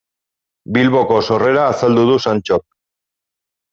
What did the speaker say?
Bilboko sorrera azaldu du Santxok.